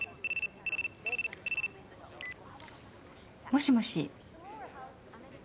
もしもし。